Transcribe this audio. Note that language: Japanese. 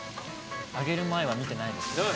「揚げる前は見てないですもんね」